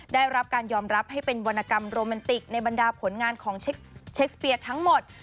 ได้รับการยอมรับให้เป็นวรรณกรรมโรแมนติกในบรรดาผลงานของเช็คสเปียร์ทั้งหมด